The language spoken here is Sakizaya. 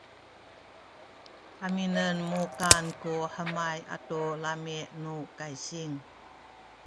haminen mukan ku hemay atu lami’ nu kaysing